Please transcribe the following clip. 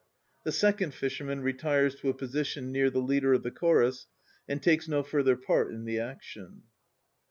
(The second FISHERMAN retires to a position near the leader of the CHORUS, and takes no further part in the action.)